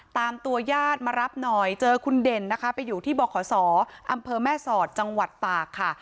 ตามตัวญาติมารับหน่อยเจอคุณเด่นนะคะไปอยู่ที่บขศอำเภอแม่สอดจังหวัดตากค่ะ